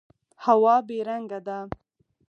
هوا بې رنګه ده.